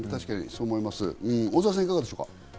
小澤さん、いかがでしょう。